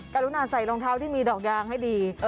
กรุณาใส่รองเท้าที่มีดอกยางให้ดี